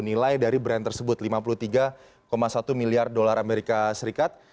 nilai dari brand tersebut lima puluh tiga satu miliar dolar amerika serikat